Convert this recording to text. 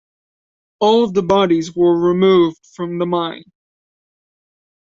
All of the bodies were removed from the mine.